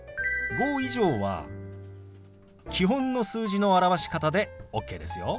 ５以上は基本の数字の表し方でＯＫですよ。